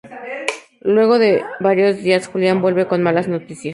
Luego de varios días, Julián vuelve con malas noticias.